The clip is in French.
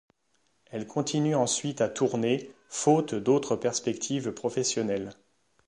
Elle continue ensuite à tourner, faute d'autre perspective professionnelle.